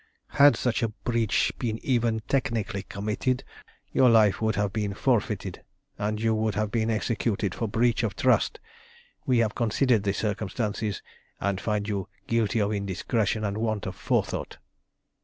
"Had such a breach been even technically committed your life would have been forfeited, and you would have been executed for breach of trust. We have considered the circumstances, and find you guilty of indiscretion and want of forethought.